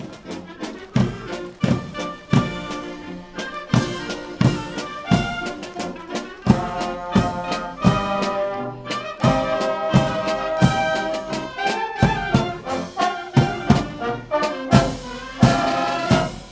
โปรดติดตามตอนต่อไป